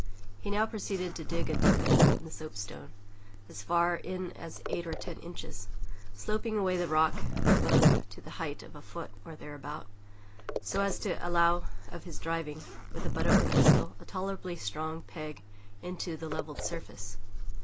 He now proceeded to dig a deep hole in the soapstone (as far in as eight or ten inches), sloping away the rock above to the height of a foot, or thereabout, so as to allow of his driving, with the butt of a pistol, a tolerably strong peg into the levelled surface.